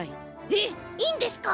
えっいいんですか？